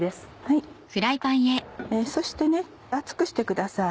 そして熱くしてください。